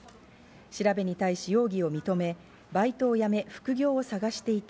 調べに対し容疑を認め、バイトを辞め、副業を探していた。